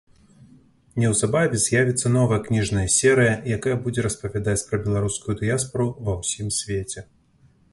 Неўзабаве з'явіцца новая кніжная серыя, якая будзе распавядаць пра беларускую дыяспару ва ўсім свеце.